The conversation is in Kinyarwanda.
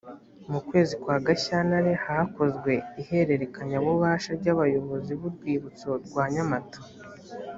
mu kwezi kwa gashyantare hakozwe ihererekanyabubasha ryabayozozi burwibutso rwa nyamata